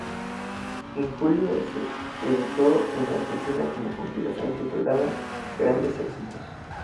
En julio se editó en Argentina una compilación titulada "Grandes Éxitos".